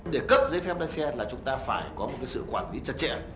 để cấp giấy phép lái xe là chúng ta phải có một sự quản lý chặt chẽ